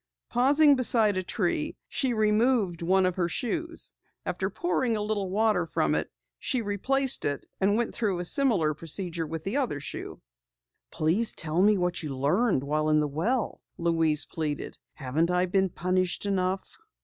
Pausing beside a tree, she removed one of her shoes. After pouring a little water from it, she replaced it and went through a similar procedure with the other shoe. "Please tell me what else you learned while in the well," Louise pleaded. "Haven't I been punished enough?"